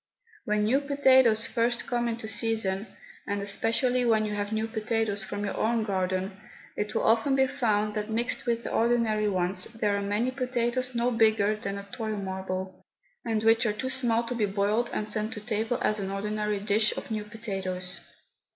When new potatoes first come into season, and especially when you have new potatoes from your own garden, it will often be found that mixed with the ordinary ones there are many potatoes no bigger than a toy marble, and which are too small to be boiled and sent to table as an ordinary dish of new potatoes.